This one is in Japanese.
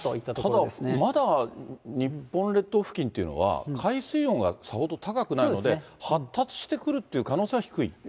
ただ、まだ日本列島付近というのは、海水温がさほど高くないので、発達してくるっていう可能性は低い？